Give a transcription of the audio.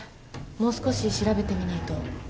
もう少し調べてみないと。